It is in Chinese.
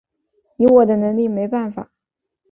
以我的能力没办法